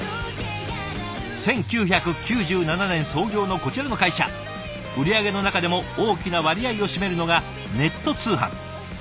１９９７年創業のこちらの会社売り上げの中でも大きな割合を占めるのがネット通販。